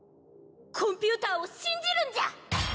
コンピューターを信じるんじゃ！